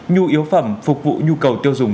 nhu yếu phẩm phục vụ nhu cầu tiêu dùng